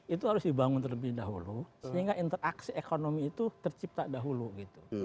itu harus dibangun terlebih dahulu sehingga interaksi ekonomi itu tercipta dahulu gitu